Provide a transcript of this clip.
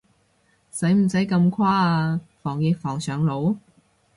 使唔使咁誇啊，防疫防上腦？